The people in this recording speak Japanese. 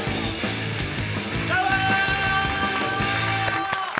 どうもー！